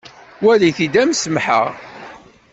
Walit-t-id am semḥeɣ.